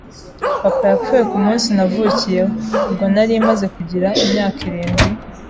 Papa yapfuye ku munsi navukiyeho, ubwo nari maze kugira imyaka irindwi